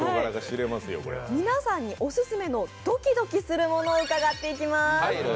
皆さんにオススメの「ドキドキするもの」を伺っていきます。